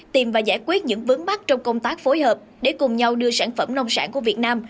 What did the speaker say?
tìm và giải quyết những vướng mắt trong công tác phối hợp để cùng nhau đưa sản phẩm nông sản của việt nam